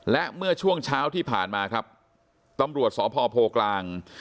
และเมื่อช่วงเช้าที่ผ่านมาครับตำรวจสพโพกลาง